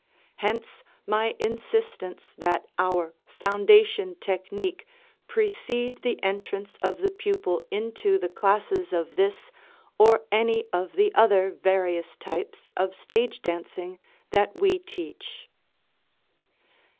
Hence my insistence that our foundation technique precede the entrance of the pupil into the classes of this or any of the other various types of stage dancing that we teach.